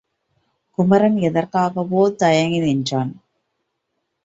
குமரன் எதற்காகவோ தயங்கி நின்றான்.